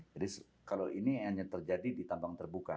jadi kalau ini hanya terjadi di tambang terbuka